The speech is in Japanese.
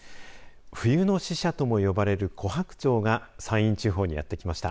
冬の使者とも呼ばれるコハクチョウが山陰地方にやって来ました。